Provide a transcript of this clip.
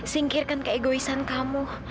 singkirkan keegoisan kamu